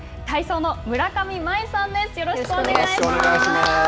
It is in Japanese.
体操の村上茉愛さんです。